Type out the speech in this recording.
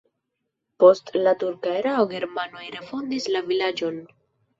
Post la turka erao germanoj refondis la vilaĝon.